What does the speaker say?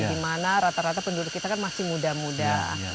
dimana rata rata penduduk kita kan masih muda muda